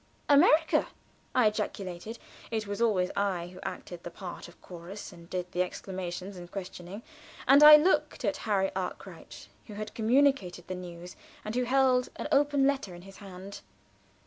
"America!" I ejaculated (it was always I who acted the part of chorus and did the exclamations and questioning), and I looked at Harry Arkwright, who had communicated the news, and who held an open letter in his hand.